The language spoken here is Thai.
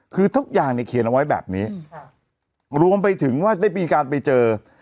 คือทุกอย่างเนี่ยเขียนเอาไว้แบบนี้รวมไปถึงว่าได้มีการไปเจอ